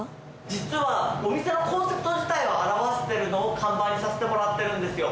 実はお店のコンセプト自体を表しているのを看板にさせてもらってるんですよ。